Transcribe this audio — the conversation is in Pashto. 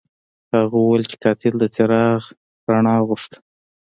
هغه وویل چې قاتل د څراغ رڼا غوښته.